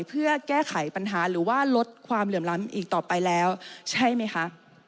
เพื่อแก้ไขปัญหาหรือว่าลดความเหลื่อมล้ำอีกต่อไปแล้วใช่ไหมคะ